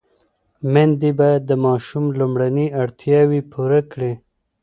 مېندې باید د ماشوم لومړني اړتیاوې پوره کړي.